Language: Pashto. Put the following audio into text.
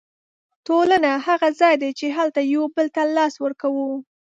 ټولنه هغه ځای دی چې هلته یو بل ته لاس ورکوو.